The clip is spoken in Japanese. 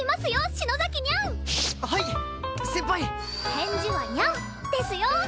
返事は「にゃん」ですよ！